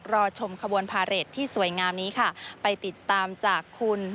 รอชมขบวนพาเรทที่สวยงามนี้ค่ะไปติดตามจากคุณ